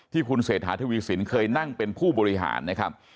ที่คุณเศรษฐาทวีสินเคยนั่งเป็นผู้บริหารนะครับ